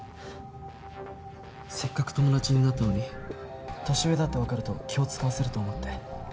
せっかく友達になったのに年上だってわかると気を使わせると思って。